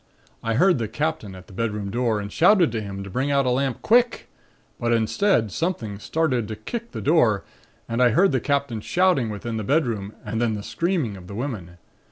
I heard the Captain at the bedroom door and shouted to him to bring out a lamp, quick; but instead something started to kick the door and I heard the Captain shouting within the bedroom and then the screaming of the women.